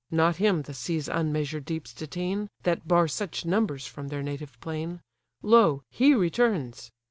Not him the sea's unmeasured deeps detain, That bar such numbers from their native plain; Lo! he returns.